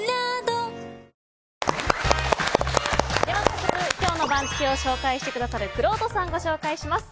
早速今日の番付を紹介してくださるくろうとさん、ご紹介します。